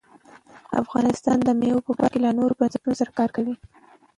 افغانستان د مېوو په برخه کې له نړیوالو بنسټونو سره کار کوي.